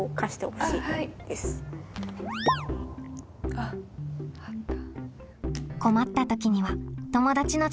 あっあった。